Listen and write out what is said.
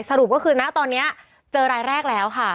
สรุปก็คือนะตอนนี้เจอรายแรกแล้วค่ะ